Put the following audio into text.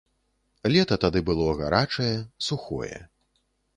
Лета тады было гарачае, сухое.